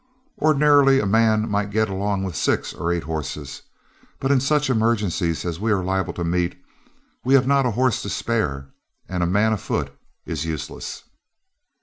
Ordinarily a man might get along with six or eight horses, but in such emergencies as we are liable to meet, we have not a horse to spare, and a man afoot is useless."